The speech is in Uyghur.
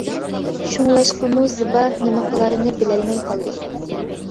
شۇڭلاشقىمۇ زىبا نېمە قىلارىنى بىلمەي قالدى.